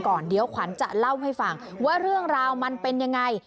ก่อนเดี๋ยวขวัญจะเล่าให้ฟังว่าเรื่องราวมันเป็นยังไง